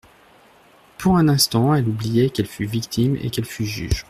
Pour un instant, elle oubliait qu’elle fût victime et qu’elle fût juge.